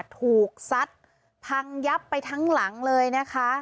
ซัดพังยับไปทั้งหลังเลยนะคะ